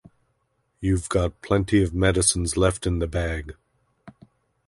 You’ve got plenty of medicines left in the bag.